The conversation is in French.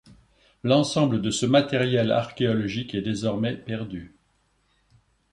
L'ensemble de ce matériel archéologique est désormais perdu.